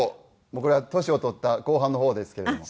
これは年を取った後半の方ですけれども。